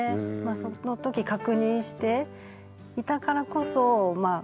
その時確認していたからこそこの。